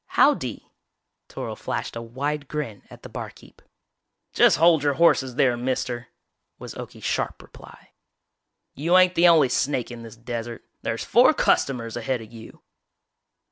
"How dy!" Toryl flashed a wide grin at the barkeep. "Just hold your horses there, mister!" was Okie's sharp reply. "You ain't the only snake in this desert. There's four customers ahead of you!"